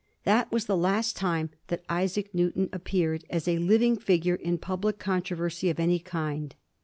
That was the last time that Isaac Newton appeared as a living figure in public con troversy of any kind.